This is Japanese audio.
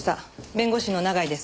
弁護士の永井です。